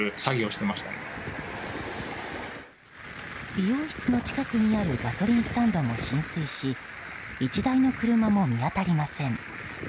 美容室の近くにあるガソリンスタンドも浸水し１台の車も見当たりません。